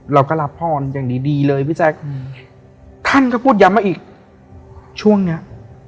เราก็รับพรอย่างดีดีเลยพี่แจ๊คท่านก็พูดย้ำมาอีกช่วงเนี้ย